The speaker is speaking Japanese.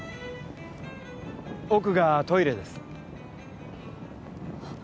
奥がトイレですあっ